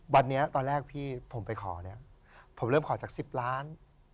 วันนี้ตอนแรกพี่ผมไปขอเนี่ยผมเริ่มขอจาก๑๐ล้าน